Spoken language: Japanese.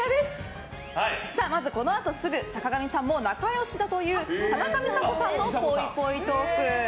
まずこのあとすぐ坂上さんも仲良しだという田中美佐子さんのぽいぽいトーク。